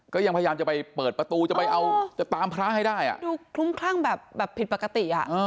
ก็ยังพยายามจะไปเปิดประตูจะไปตามพระให้ได้ดูคลุ้มคร่างแบบผิดปกติ